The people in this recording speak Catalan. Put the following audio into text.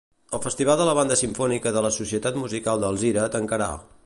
El festival de la Banda Simfònica de la Societat Musical d'Alzira tancarà.